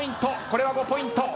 これは５ポイント。